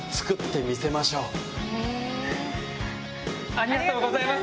ありがとうございます。